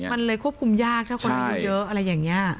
มันเลยควบคุมยากถ้าคนอายุเยอะอะไรอย่างนี้